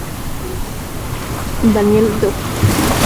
Daniel Defoe describe la vida en The Mint en su novela "Moll Flanders".